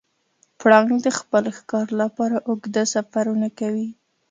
پړانګ د خپل ښکار لپاره اوږده سفرونه کوي.